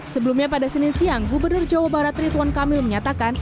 sebelumnya pada senin siang gubernur jawa barat rituan kamil menyatakan